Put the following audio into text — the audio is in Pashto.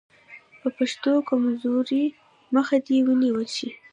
د پښتو د کمزورۍ مخه دې ونیول شي.